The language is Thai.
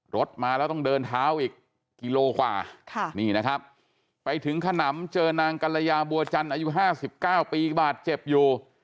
รถมาแล้วต้องเดินเท้าอีกกิโลกว่านี่นะครับไปถึงขนำเจอนางกัลยาบัวจันทร์อายุ๕๙ปีบาดเจ็บอยู่